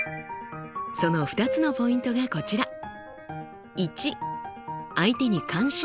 その２つのポイントがこちら。